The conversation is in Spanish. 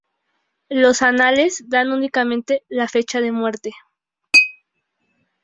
Los anales dan únicamente la fecha de muerte.